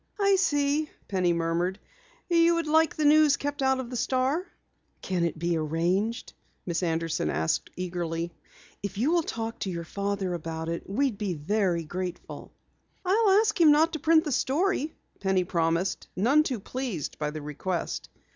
"I see," Penny murmured, "you would like the news kept out of the Star?" "Can it be arranged?" Miss Anderson asked eagerly. "If you will talk to your father about it we'll be very grateful." "I'll ask him not to print the story," Penny promised, none too pleased by the request.